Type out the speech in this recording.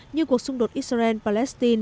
như cuộc xung đột israel palestin